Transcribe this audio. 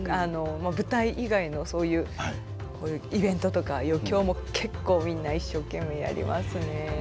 舞台以外のイベントとか余興も結構みんな一生懸命やりますね。